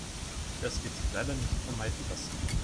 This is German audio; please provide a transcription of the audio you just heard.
Das wird sich leider nicht vermeiden lassen.